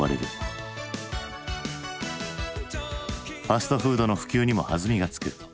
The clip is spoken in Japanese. ファストフードの普及にも弾みがつく。